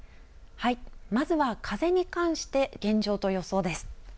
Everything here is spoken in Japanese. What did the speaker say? まずは風に関して現状と予想です。